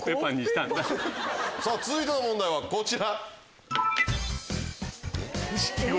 続いての問題はこちら。